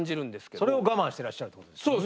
それを我慢してらっしゃるってことですもんね。